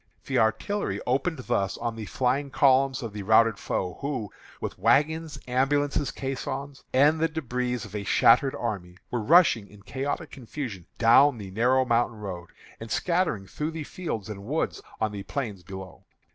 The artillery opened thus on the flying columns of the routed foe, who, with wagons, ambulances, caissons, and the débris of a shattered army, were rushing in chaotic confusion down the narrow mountain road, and scattering through the fields and woods on the plains below."